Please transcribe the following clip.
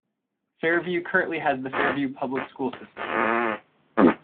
Fairview currently has the Fairview Public School system.